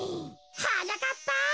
はなかっぱ！